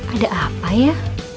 ada apa ya